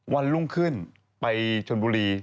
วันรุ่งขึ้นไปชนบุรี